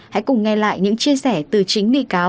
hãy cùng nghe lại những chia sẻ từ chính bị cáo